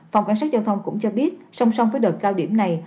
phòng cảnh sát giao thông cũng cho biết song song với đợt cao điểm này